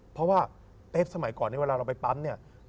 เพราะว่าเต๊สสมัยก่อนเนี่ยเวลาเราไปปั๊มเนี่ย